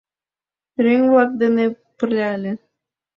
— Пӧръеҥ-влак дене пырля ыле.